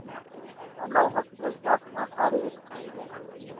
I might have to go shopping on Friday the twenty-sixth.